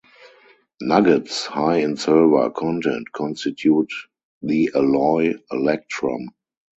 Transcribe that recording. Nuggets high in silver content constitute the alloy electrum.